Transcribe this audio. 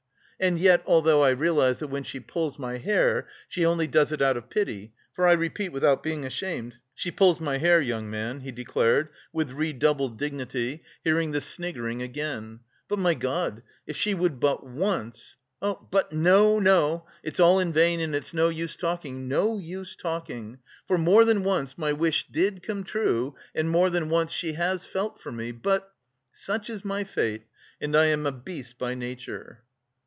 And yet, although I realise that when she pulls my hair she only does it out of pity for I repeat without being ashamed, she pulls my hair, young man," he declared with redoubled dignity, hearing the sniggering again "but, my God, if she would but once.... But no, no! It's all in vain and it's no use talking! No use talking! For more than once, my wish did come true and more than once she has felt for me but... such is my fate and I am a beast by nature!"